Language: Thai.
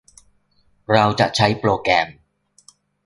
เราจะใช้โปรแกรม